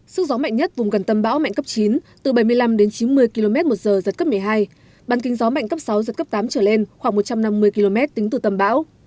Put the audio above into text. sức gió mạnh nhất vùng gần tâm bão mạnh cấp chín từ bảy mươi năm đến chín mươi km một giờ giật cấp một mươi hai bàn kinh gió mạnh cấp sáu giật cấp tám trở lên khoảng một trăm năm mươi km tính từ tâm bão